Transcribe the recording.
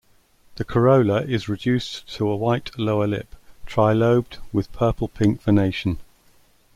The corolla is reduced to a white lower lip, trilobed, with purple-pink venation.